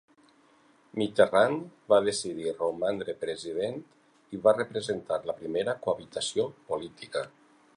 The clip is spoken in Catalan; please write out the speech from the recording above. Mitterrand va decidir romandre president, i va representar la primera cohabitació política.